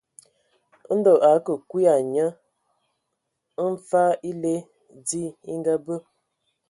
Ndɔ a akə kii ai nye mfag èle dzi e ngabe.